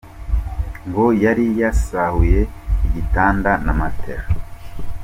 Ngo yari yasahuye igitanda na matelas.